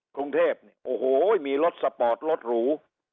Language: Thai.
กรุงเทพเนี่ยโอ้โหมีรถสปอร์ตรถหรู